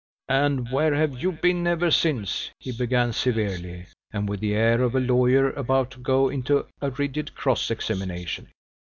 "And where have you been ever since?" he began severely, and with the air of a lawyer about to go into a rigid cross examination.